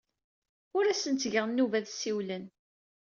Ur asen-ttgeɣ nnuba ad ssiwlen.